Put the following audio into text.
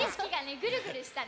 ぐるぐるしたね。